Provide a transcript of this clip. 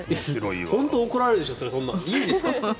本当に怒られるでしょいいんですか？